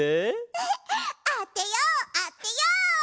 あてようあてよう！